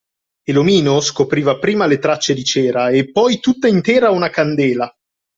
E l'omino scopriva prima le tracce di cera e poi tutta intera una candela!